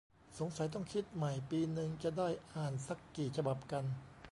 สงสัยต้องคิดใหม่ ปีนึงจะได้อ่านซักกี่ฉบับกัน ?